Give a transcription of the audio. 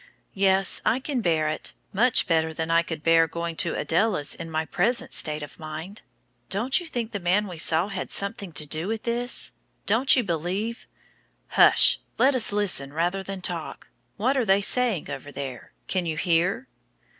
"Yes, I can bear it; much better than I could bear going to Adela's in my present state of mind. Don't you think the man we saw had something to do with this? Don't you believe " "Hush! Let us listen rather than talk. What are they saying over there? Can you hear?"